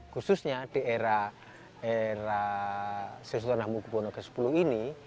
khususnya di era era sir sultan mahmud ibn qubon x ini